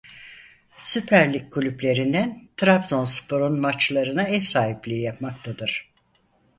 Süper Lig kulüplerinden Trabzonspor'un maçlarına ev sahipliği yapmaktadır.